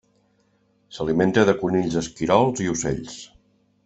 S'alimenta de conills, esquirols i ocells.